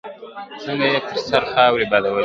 څنګه يې پر سر خاورې بادولې.